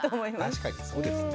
確かにそうですね。